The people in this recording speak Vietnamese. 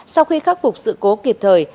sau khi khắc phục sự cố kịp thời